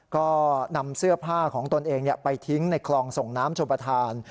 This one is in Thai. ก็นำเสื้อผ้าของตนเองเนี่ยไปทิ้งในคลองส่งน้ำโชบทาน